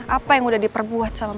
apa yang udah diperbuat sama mbak eni